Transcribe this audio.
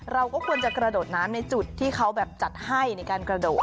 เราก็ควรจะกระโดดน้ำในจุดที่เขาแบบจัดให้ในการกระโดด